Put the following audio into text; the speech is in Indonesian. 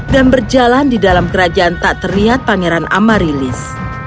dan berjalan di dalam kerajaan tak terlihat pangeran amarilis